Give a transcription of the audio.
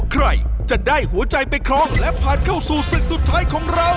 ใครจะได้หัวใจไปครองและผ่านเข้าสู่ศึกสุดท้ายของเรา